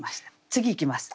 次いきます。